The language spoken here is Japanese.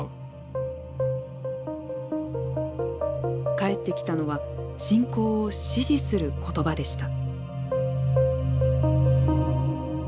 返ってきたのは侵攻を支持する言葉でした。